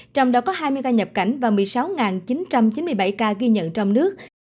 trong đó có hai mươi ca nhập cảnh và một mươi sáu chín trăm chín mươi bảy ca ghi nhận trong nước